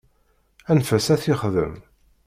Anef-as ad t-yexdem.